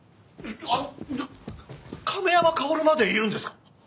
あの亀山薫までいるんですか！？